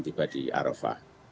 tiba di arafah